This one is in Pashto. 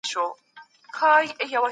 سیاست پوهنه د یوې روښانه سبا هيله ده.